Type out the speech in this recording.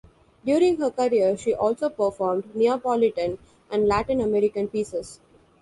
During her career, she also performed Neapolitan and Latin American pieces.